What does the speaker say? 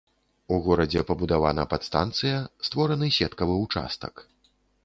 У горадзе пабудавана падстанцыя, створаны сеткавы ўчастак.